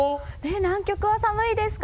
南極は寒いですか？